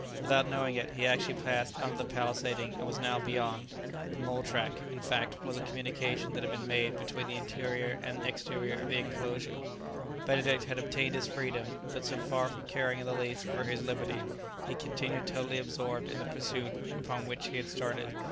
Without knowing it, he actually passed under the palisading, and was now beyond it; the mole track, in fact, was a communication that had been made between the interior and exterior of the enclosure. Benedict had obtained his freedom, but so far from caring in the least for his liberty he continued totally absorbed in the pursuit upon which he had started.